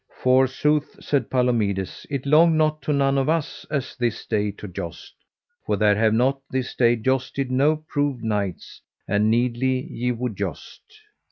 Forsooth, said Palomides, it longed not to none of us as this day to joust, for there have not this day jousted no proved knights, and needly ye would joust.